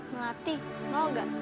melatih mau gak